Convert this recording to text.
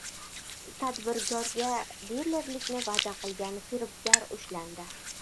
Tadbirkorga dilerlikni va’da qilgan firibgar ushlandi